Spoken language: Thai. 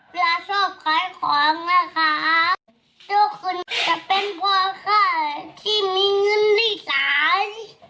เวลาชอบขายของนะคะโชคคุณจะเป็นพวกข้าที่มีเงินได้หลาย